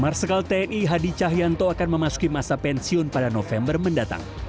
marsikal tni hadi cahyanto akan memasuki masa pensiun pada november mendatang